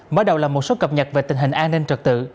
mở đầu là một số cập nhật về tình hình an ninh trật tự